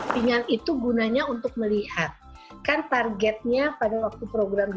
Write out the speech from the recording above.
di tingkat itu gunanya untuk melihat kata energetiknya pada waktu program